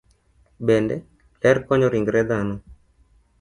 Bende, ler konyo ringre dhano.